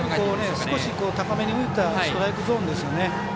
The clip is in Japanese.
少し高めに浮いたストライクゾーンですよね。